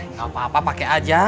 nggak apa apa pakai aja